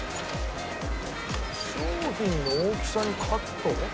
商品の大きさにカット？